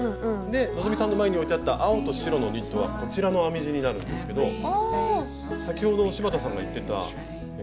で希さんの前に置いてあった青と白のニットはこちらの編み地になるんですけど先ほど柴田さんが言ってた中長編み。